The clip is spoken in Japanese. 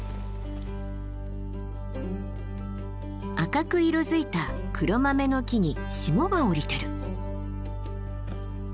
赤く色づいたクロマメノキに霜が降りてる。